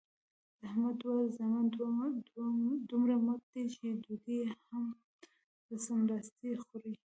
د احمد دواړه زامن دومره مټ دي چې ډوډۍ هم په څملاستې خوري.